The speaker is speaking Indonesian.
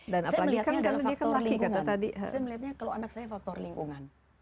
saya melihatnya kalau anak saya faktor lingkungan